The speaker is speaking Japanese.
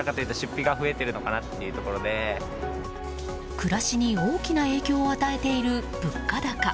暮らしに大きな影響を与えている物価高。